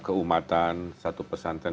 keumatan satu pesantren